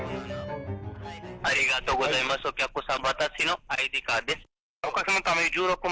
ありがとうございます、お客様。